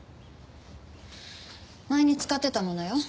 前に使ってたものよ。